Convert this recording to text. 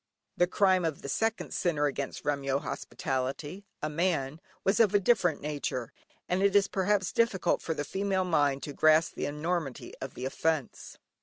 The crime of the second sinner against Remyo hospitality (a man) was of a different nature, and it is perhaps difficult for the female mind to grasp the enormity of the offence.